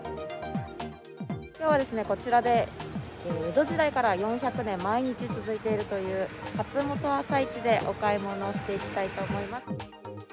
きょうはこちらで江戸時代から４００年、毎日続いているという、勝本朝市でお買い物をしていきたいと思います。